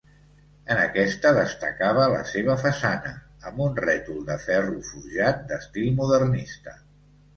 En aquesta destacava la seva façana, amb un rètol de ferro forjat d'estil modernista.